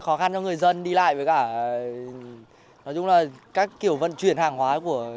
khó khăn cho người dân đi lại với cả nói chung là các kiểu vận chuyển hàng hóa của